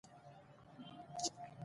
ژبې د افغانانو د تفریح یوه ښه وسیله ده.